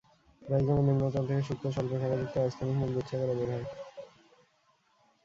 রাইজোমের নিম্নতল থেকে সূক্ষ্ম স্বল্প শাখাযুক্ত অস্থানিক মূল গুচ্ছাকারে বের হয়।